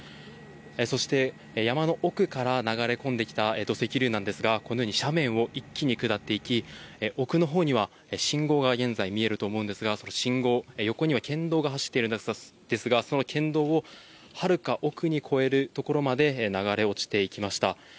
そして山の奥から流れ込んできた土石流なんですが、このように斜面を一気に下っていき、奥の方には信号が現在見えると思うんですが、その信号、横には県道が走っているんですが、その県道をはるか奥に越えるところまで流れ落ちていきました。